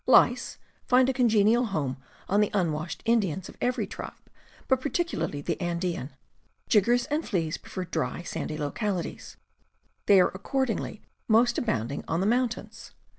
Lice find a congenial home on the unwashed Indians of every tribe, but particularly the Andean. Jiggers and fleas prefer dry, sandy localities; they are accor dingly most abounding on the mountains.